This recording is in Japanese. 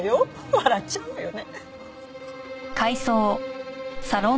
笑っちゃうわよね。